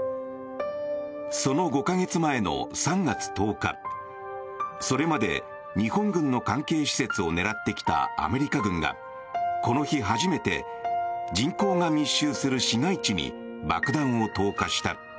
その５か月前の３月１０日それまで日本軍の関係施設を狙ってきたアメリカ軍が、この日初めて人口が密集する市街地に爆弾を投下した。